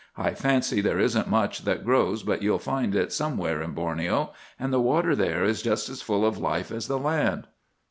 I fancy there isn't much that grows but you'll find it somewhere in Borneo; and the water there is just as full of life as the land.